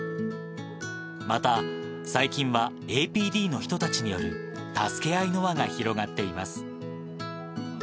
また、最近はＡＰＤの人たちによる助け合いの輪が広がっています。